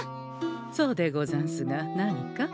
そうでござんすが何か？